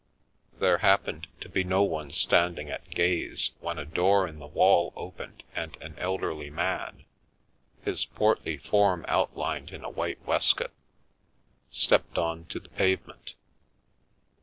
There happened to be no one standing at gaze when a door in the wall opened and an elderly man, his portly form outlined in a white waistcoat, stepped on to the pavement.